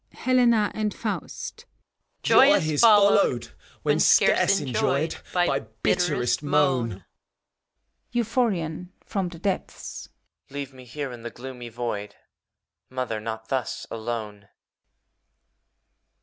] HBLEKA AND l^AUl^. Joy is f ollowedi when scaree enjoyed. By bitterest moan. BUPH(MaoN (from the <teplM). Leave me here^ in the i^oomy Void, Mother, not tiios alone!